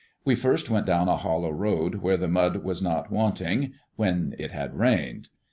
We first went down a hollow road where the mud was not wanting when it had rained.